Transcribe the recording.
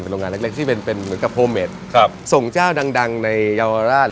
เป็นโรงงานเล็กเล็กที่เป็นเป็นเหมือนกับครับส่งเจ้าดังดังในเยาวราช